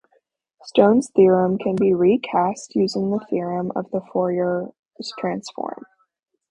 Stone's Theorem can be recast using the language of the Fourier transform.